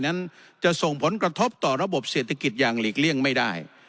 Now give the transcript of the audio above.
นั้นจะส่งผลกระทบต่อระบบเศรษฐกิจอย่างหลีกเลี่ยงไม่ได้